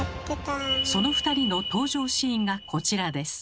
その２人の登場シーンがこちらです。